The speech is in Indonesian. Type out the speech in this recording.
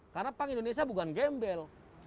karena punk indonesia bukan gembel